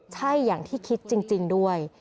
ใช่อย่างที่คิดจริงด้วย